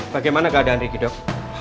bagaimana keadaan riki dok